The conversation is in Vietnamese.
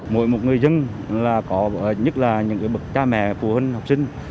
mỗi một người dân nhất là những bậc cha mẹ phụ huynh học sinh